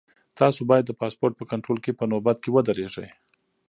تاسو باید د پاسپورټ په کنټرول کې په نوبت کې ودرېږئ.